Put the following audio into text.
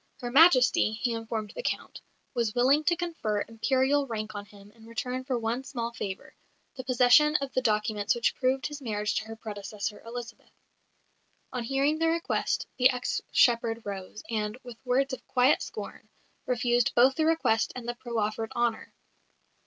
Her Majesty, he informed the Count, was willing to confer Imperial rank on him in return for one small favour the possession of the documents which proved his marriage to her predecessor, Elizabeth. On hearing the request, the ex shepherd rose, and, with words of quiet scorn, refused both the request and the proffered honour.